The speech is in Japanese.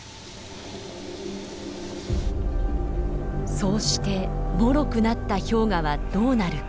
そうしてもろくなった氷河はどうなるか。